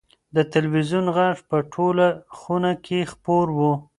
د تلویزون غږ په ټوله خونه کې خپور و.